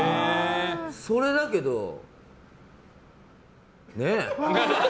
それだけどね。